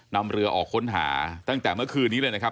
นำเรือออกค้นหาตั้งแต่เมื่อคืนนี้เลยนะครับ